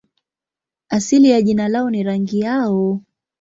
Asili ya jina lao ni rangi yao.